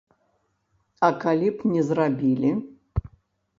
А калі б не зрабілі?